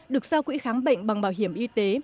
được giao quỹ khám bệnh bằng bảo hiểm y tế